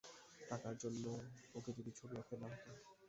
টাকার জন্যে ওকে যদি ছবি আঁকতে না হত।